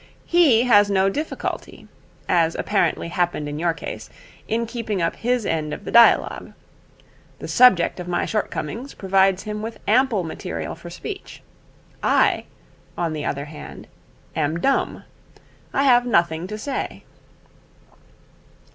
He has no difficulty, as apparently happened in your case, in keeping up his end of the dialogue. The subject of my shortcomings provides him with ample material for speech. I, on the other hand, am dumb. I have nothing to say.'